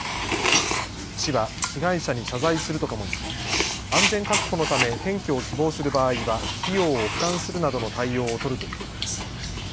市は被害者に謝罪するとともに安全確保のため転居を希望する場合は費用を負担するなどの対応を取るということです。